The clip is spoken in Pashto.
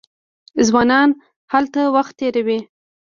ځوانان هلته وخت تیروي.